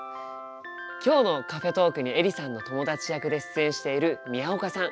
今日のカフェトークにエリさんの友達役で出演している宮岡さん。